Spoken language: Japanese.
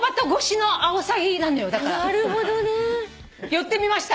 寄ってみました。